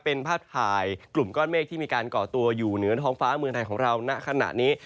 เป็นภาพถ่ายกลุ่มก้อนเมฆที่มีการก่อตัวอยู่เหนือท้องฟ้าเมืองไทยของเราณขณะนี้